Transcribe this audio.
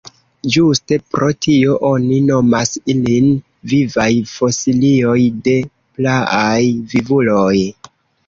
Ĝuste pro tio oni nomas ilin vivaj fosilioj de praaj vivuloj.